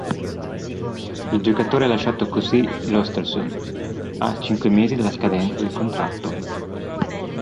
Il giocatore ha lasciato così l'Östersund a cinque mesi dalla scadenza del contratto.